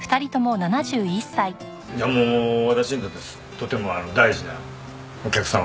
いやあもう私にとってとても大事なお客様